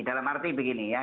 dalam arti begini ya